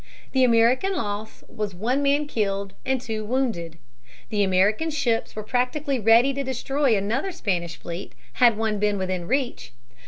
The American loss was one man killed and two wounded. The American ships were practically ready to destroy another Spanish fleet had one been within reach.